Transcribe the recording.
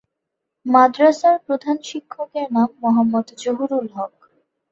মাদ্রাসার প্রধান শিক্ষকের নাম মোহাম্মদ জহুরুল হক।